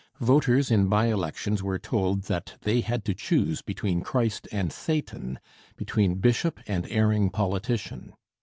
Voters in by elections were told that they had to choose between Christ and Satan, between bishop and erring politician.